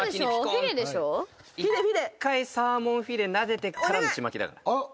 １回サーモンフィレなでてからのちまきだから。